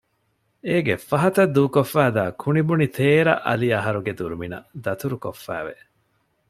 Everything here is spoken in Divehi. އޭގެ ފަހަތަށް ދޫކޮށްފައިދާ ކުނިބުނި ތޭރަ އަލިއަހަރުގެ ދުރުމިނަށް ދަތުރުކޮށްފައި ވެ